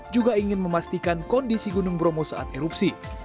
juga ingin memastikan kondisi gunung bromo saat erupsi